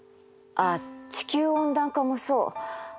ああ地球温暖化もそう。